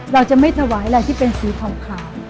เราจะไม่ถวายอะไรที่เป็นสีขาว